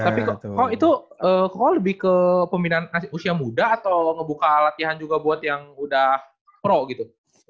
tapi kok itu kok lebih ke pembinaan usia muda atau ngebuka latihan juga buat yang udah pro gitu